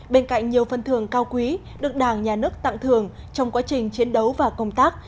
bên cạnh nhiều phân thường cao quý được đảng nhà nước tặng thường trong quá trình chiến đấu và công tác